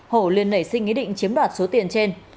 hổ liên nảy sinh ý định chiếm đoạt số tiền trên